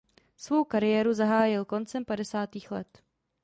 Svou kariéru zahájil koncem padesátých let.